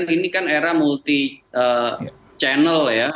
ini kan era multi channel ya